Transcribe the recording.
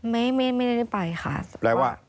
ไม่ได้ไปค่ะ